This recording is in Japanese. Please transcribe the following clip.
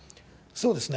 そうですね。